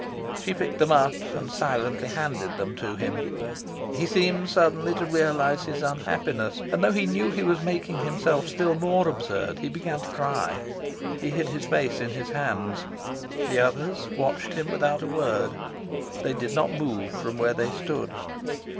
She picked them up and silently handed them to him. He seemed suddenly to realise his unhappiness, and though he knew he was making himself still more absurd, he began to cry. He hid his face in his hands. The others watched him without a word. They did not move from where they stood.